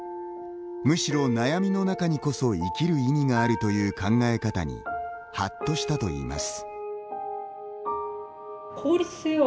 むしろ悩みの中にこそ生きる意味があるという考え方にハッとしたといいます。